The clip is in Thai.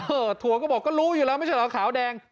ทัวร์ก็บอกก็รู้อยู่แล้วไม่ใช่เหรอขาวแดง